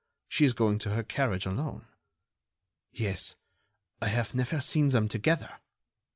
She is going to her carriage alone." "Yes, I have never seen them together."